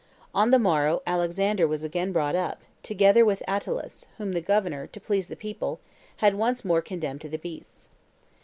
On the morrow Alexander was again brought up, together with Attalus, whom the governor, to please the people, had once more condemned to the beasts.